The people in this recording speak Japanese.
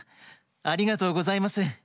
ありがとうございます。